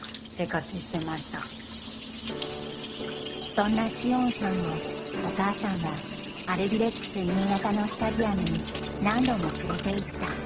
そんな詩音さんをお母さんはアルビレックス新潟のスタジアムに何度も連れていった。